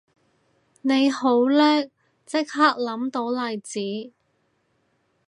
你好叻即刻諗到例子